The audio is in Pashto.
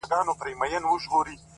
د کلي سپی یې’ د کلي خان دی’